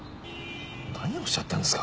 何をおっしゃってんですか。